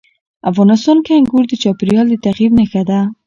افغانستان کې انګور د چاپېریال د تغیر نښه ده.